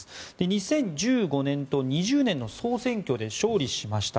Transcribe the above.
２０１５年と２０年の総選挙で勝利しました。